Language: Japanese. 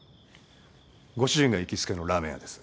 ご主人が行きつけのラーメン屋です。